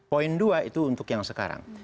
poin dua itu untuk yang sekarang